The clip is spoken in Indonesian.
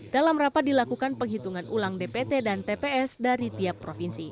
dalam rapat dilakukan penghitungan ulang dpt dan tps dari tiap provinsi